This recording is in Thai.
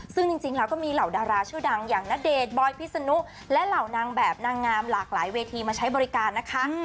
ซึ่งจริงแล้วก็มีเหล่าดาราชื่อดังอย่างณเดชน์บอยพิษนุและเหล่านางแบบนางงามหลากหลายเวทีมาใช้บริการนะคะ